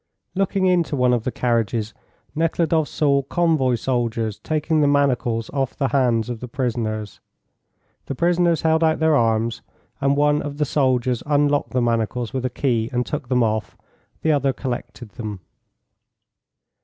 Looking into one of the carriages, Nekhludoff saw convoy soldiers taking the manacles off the hands of the prisoners. The prisoners held out their arms, and one of the soldiers unlocked the manacles with a key and took them off; the other collected them.